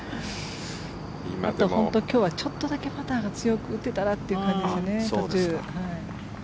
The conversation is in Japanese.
今日はちょっとだけパターが強く打てたらという感じですよね。